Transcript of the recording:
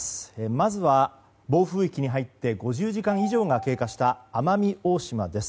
まずは、暴風域に入って５０時間以上が経過した奄美大島です。